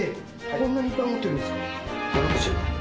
こんなにいっぱい持ってるんですか！？